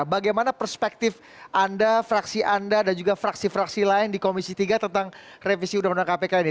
bagaimana perspektif anda fraksi anda dan juga fraksi fraksi lain di komisi tiga tentang revisi undang undang kpk ini